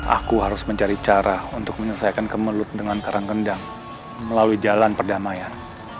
aku harus mencari cara untuk menyelesaikan kemelut dengan karang gendang melalui jalan perdamaian